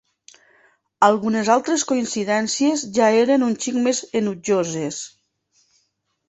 Algunes altres coincidències ja eren un xic més enutjoses.